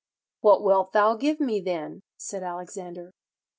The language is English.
'What wilt thou give me, then?' said Alexander.